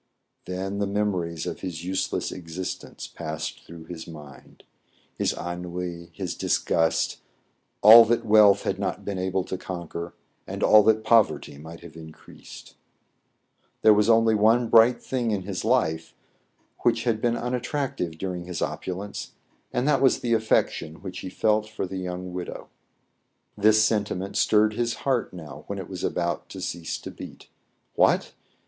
Then the memories of his useless existence j^iiHscd through his mind, — his ennui^ his disgust, \\\\ thîit wealth had not been able to conquer, and h11 that poverty might have increased. WILL NOT SURPRISE THE READER. 99 There was only one bright thing in his life, which had been unattractive during his opulence, and that was the affection which he felt for the young widow. This sentiment stirred his heart now when it was about to cease to beat. What